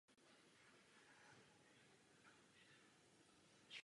Jak tomu lze předejít?